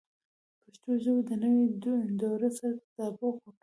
پښتو ژبه د نوي دور سره تطابق وکړي.